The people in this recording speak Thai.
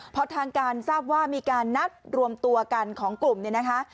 พอทางการทราบว่ามีการนัดรวมตัวกันของกลุ่มเนี่ยนะคะ